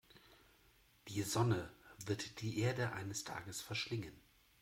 Die Sonne wird die Erde eines Tages verschlingen.